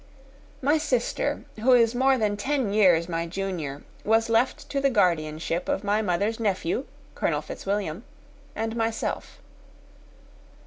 My sister, who is more than ten years my junior, was left to the guardianship of my mother's nephew, Colonel Fitzwilliam, and myself.